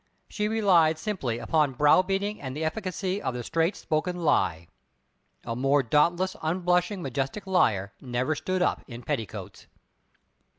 She relied simply upon browbeating and the efficacy of the straight spoken lie. A more dauntless, unblushing, majestic liar never stood up in petticoats.